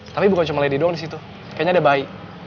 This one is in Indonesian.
tapi bukan cuma lady doang disitu kayaknya ada bayi